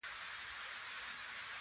په ټوله دوبي کې ښه هوا نه وه تنفس کړې.